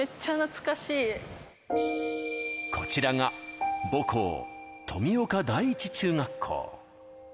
こちらが母校、富岡第一中学校。